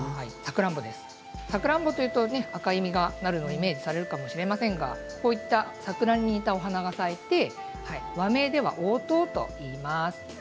サクランボというと赤い実がなるのでイメージされるかもしれませんがこういった桜に似たお花が咲いて和名では桜桃といいます。